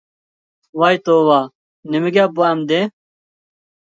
ۋاي توۋا، نېمە گەپ بۇ ئەمدى؟